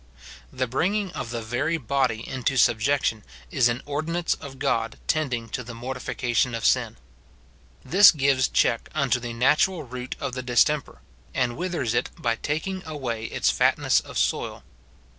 The bringing of the very body into subjection is an ordinance of God tending to the mortification of sin. This gives check unto the natural root of the dis temper, and withers it by taking away its fatness of soil.